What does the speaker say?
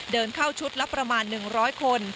เดินเข้าชุดละประมาณ๑๐๐คน